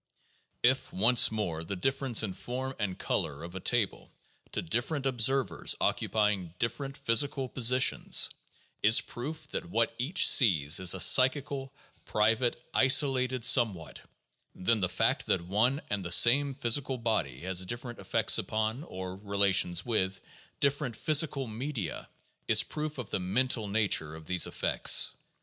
2 If, once more, the difference in form and color of a table to differ ent observers, occupying different physical positions, is proof that what each sees is a psychical, private, isolated somewhat, then the fact that one and the same physical body has different effects upon, or relations with, different physical media is proof of the mental nature of these effects.